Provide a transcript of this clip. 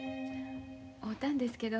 会うたんですけど。